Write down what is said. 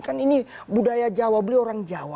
kan ini budaya jawa beli orang jawa